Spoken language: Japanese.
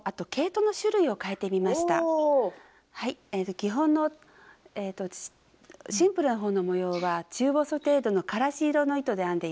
基本のシンプルな方の模様は中細程度のからし色の糸で編んでいます。